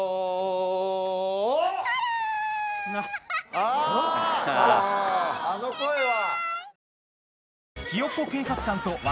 あの声は！